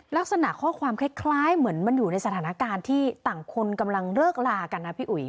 ลักษณะข้อความคล้ายเหมือนมันอยู่ในสถานการณ์ที่ต่างคนกำลังเลิกลากันนะพี่อุ๋ย